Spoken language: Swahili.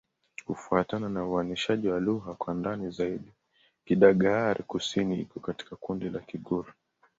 Kufuatana na uainishaji wa lugha kwa ndani zaidi, Kidagaare-Kusini iko katika kundi la Kigur.